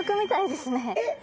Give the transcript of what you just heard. えっ？